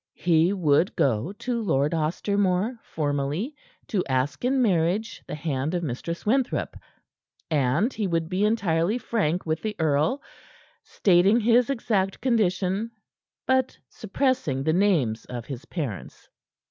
He would go to Lord Ostermore formally to ask in marriage the hand of Mistress Winthrop, and he would be entirely frank with the earl, stating his exact condition, but suppressing the names of his parents.